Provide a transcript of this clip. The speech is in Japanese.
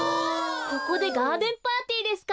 ここでガーデンパーティーですか。